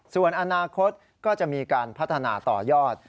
ส่วนอนาคตก็จะมีการพัฒนาต่อยอด